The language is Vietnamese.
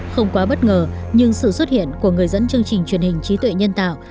không quá bất ngờ nhưng sự xuất hiện của người dẫn chương trình truyền hình trí tuệ nhân tạo